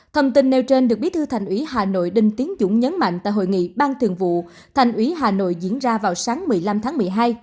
thông tin nêu trên được bí thư thành ủy hà nội đinh tiến dũng nhấn mạnh tại hội nghị ban thường vụ thành ủy hà nội diễn ra vào sáng một mươi năm tháng một mươi hai